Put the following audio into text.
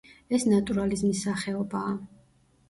ეს ნატურალიზმის სახეობაა.